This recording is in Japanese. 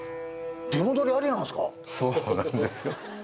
そうなんですよ。